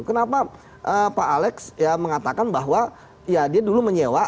kenapa pak alex mengatakan bahwa ya dia dulu menyewa